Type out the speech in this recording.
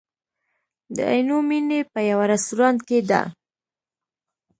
د عینومېنې په یوه رستورانت کې ده.